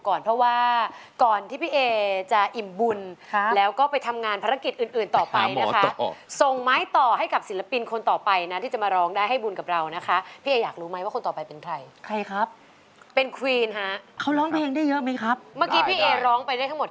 ขอบพระคุณมากเลยค่ะขอบพระคุณมากเลยค่ะขอบพระคุณมากเลยค่ะขอบพระคุณมากเลยค่ะขอบพระคุณมากเลยค่ะขอบพระคุณมากเลยค่ะขอบพระคุณมากเลยค่ะขอบพระคุณมากเลยค่ะขอบพระคุณมากเลยค่ะขอบพระคุณมากเลยค่ะขอบพระคุณมากเลยค่ะขอบพระคุณมากเลยค่ะขอบพระคุณมากเลยค่ะขอบพระคุณมากเลยค่ะขอบพระคุณมา